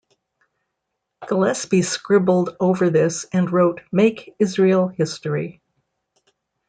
Gillespie scribbled over this and wrote Make Israel History.